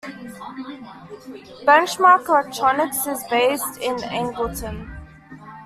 Benchmark Electronics is based in Angleton.